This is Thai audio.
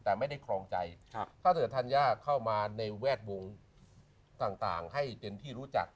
แต่ไม่ได้ครองใจถ้าเกิดธัญญาเข้ามาในแวดวงต่างให้เป็นที่รู้จัก